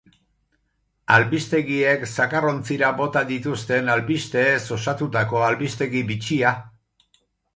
Albistegiek zakarrontzira bota dituzten albisteez osatutako albistegi bitxia!